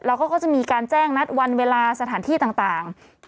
เขาก็จะมีการแจ้งนัดวันเวลาสถานที่ต่าง